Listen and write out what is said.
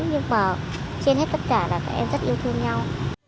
nhưng mà trên hết tất cả là các em rất yêu thương nhau